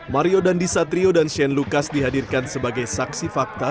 mario dandisatrio dan shane lucas dihadirkan sebagai saksi fakta